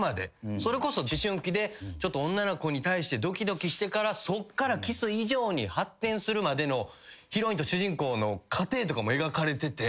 それこそ思春期で女の子に対してドキドキしてからそっからキス以上に発展するまでのヒロインと主人公の過程とかも描かれてて。